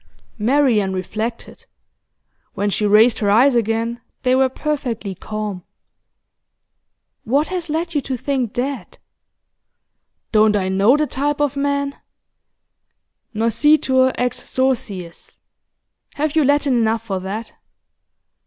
Marian reflected. When she raised her eyes again they were perfectly calm. 'What has led you to think that?' 'Don't I know the type of man? Noscitur ex sociis have you Latin enough for that?